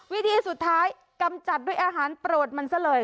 วิธีสุดท้ายกำจัดด้วยอาหารโปรดมันซะเลย